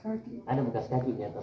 ada bekas kaki di atas sana